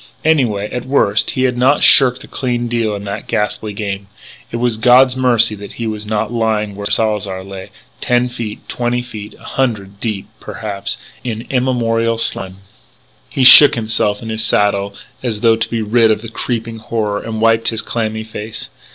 Anyway, at worst he had not shirked a clean deal in that ghastly game.... It was God's mercy that he was not lying where Salzar lay, ten feet twenty a hundred deep, perhaps in immemorial slime He shook himself in his saddle as though to be rid of the creeping horror, and wiped his clammy face.